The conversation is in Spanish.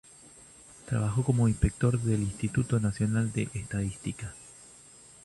Trabajó como Inspector del Instituto Nacional de Estadística.